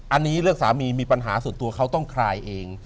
อันนี้เรื่องสามีมีปัญหาส่วนตัวเขาต้องคลายเอง